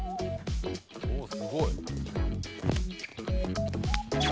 おおすごい。